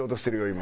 今。